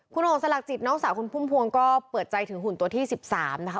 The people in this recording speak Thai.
คุณโอ่งสลักจิตน้องสาวคุณพุ่มพวงก็เปิดใจถึงหุ่นตัวที่๑๓นะคะ